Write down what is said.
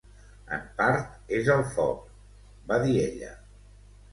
"En part, és el foc", va dir ella.